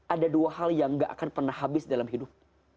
ada dua hal yang gak akan pernah habis dalam hidup